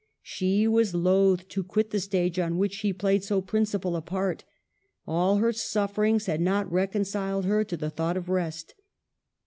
She was loath to quit the stage on which she played so principal a part ; all her sufferings had not reconciled her to the thought of rest.